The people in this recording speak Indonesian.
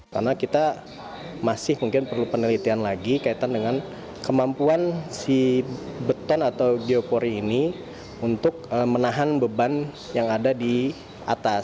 karena kita masih mungkin perlu penelitian lagi kaitan dengan kemampuan si beton atau geopori ini untuk menahan beban yang ada di atas